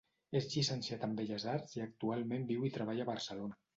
És llicenciat en Belles Arts i actualment viu i treballa a Barcelona.